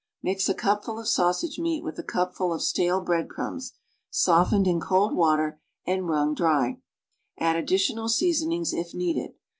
Mix a cupful of sausage meat witli a cupful of stale bread crumbs, softened in cohl water and wrung dry; add additional seasonings, if needed.